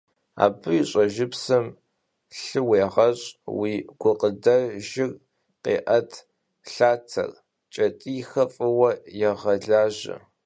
Абы и щӏэжыпсым лъы уегъэщӏ, уи гукъыдэжыр къеӏэт, лъатэр, кӏэтӏийхэр фӏыуэ егъэлажьэ.